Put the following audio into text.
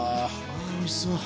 あおいしそう。